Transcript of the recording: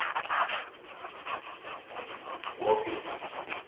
栗が飛びおった。